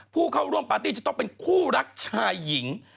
ผู้เข้าร่วมปาร์ตี้จะต้องเป็นคู่รักชายหญิง